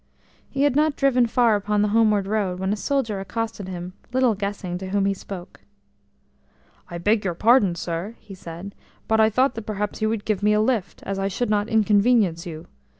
He had not driven far upon the homeward road when a soldier accosted him, little guessing to whom he spoke. "I beg your pardon, sir," he said, "but I thought that perhaps you would give me a lift, as I should not inconvenience you.